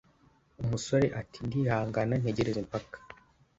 umusore ati"ndihangana ntegereze mpaka